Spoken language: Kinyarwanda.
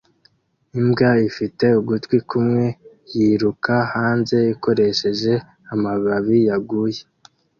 Imbwa ifite ugutwi kumwe yiruka hanze ikoresheje amababi yaguye